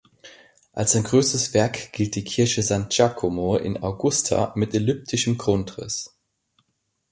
Als sein größtes Werk gilt die Kirche San Giacomo in Augusta mit elliptischem Grundriss.